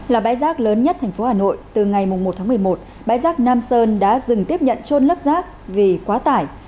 là bãi rác lớn nhất thành phố hà nội từ ngày một tháng một mươi một bãi rác nam sơn đã dừng tiếp nhận trôn lấp rác vì quá tải